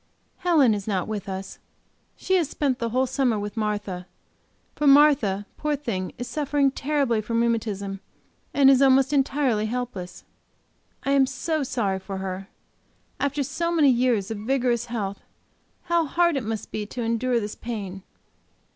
Helen is not with us; she has spent the whole summer with Martha; for Martha, poor thing, is suffering terribly from rheumatism and is almost entirely helpless. I am so sorry for her, after so many years of vigorous health, how hard it must be to endure this pain.